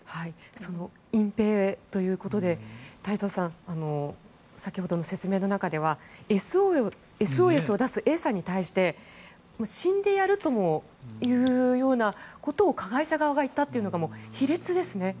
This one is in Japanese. その隠ぺいということで太蔵さん、先ほどの説明の中ではＳＯＳを出すＡさんに対して死んでやるというようなことを加害者側が言ったというのが卑劣ですね。